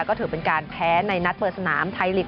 ก็ถือเป็นการแพ้ในนัดเปิดสนามไทยลีก